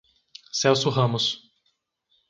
Celso Ramos